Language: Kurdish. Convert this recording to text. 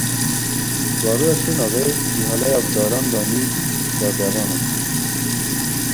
Baroya Şirnexê: Îhaleya daran dane cerdevanan.